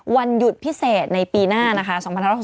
วันหยุดพิเศษในปีหน้านะคะ